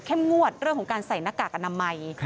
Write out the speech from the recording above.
งวดเรื่องของการใส่หน้ากากอนามัย